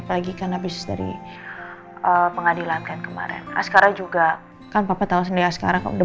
lagi karena bisnis dari pengadilan kan kemarin sekarang juga kan papa tahu sendiri ya sekarang udah